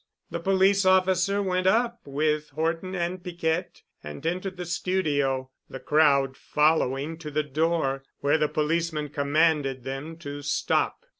The police officer went up with Horton and Piquette, and entered the studio, the crowd following to the door, where the policeman commanded them to stop.